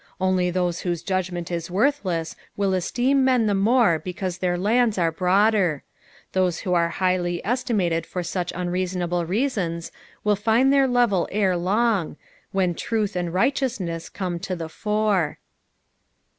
Only those whose judgment is worthless will esteem men the more because their lands are broader ; those who are highly estimated for such unreasonable ruusnns will find their level ere long, when truth and righteousness come to the fore.